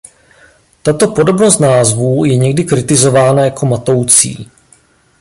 Tato podobnost názvů je někdy kritizována jako matoucí.